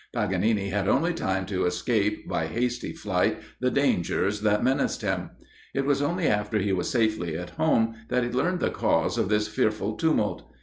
Paganini had only time to escape, by hasty flight, the dangers that menaced him. It was only after he was safely at home, that he learned the cause of this fearful tumult.